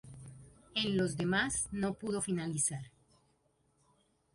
En los demás, no pudo finalizar.